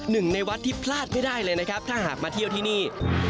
หนึ่งในวัดที่พลาดไม่ได้เลยนะครับถ้าหากมาเที่ยวที่นี่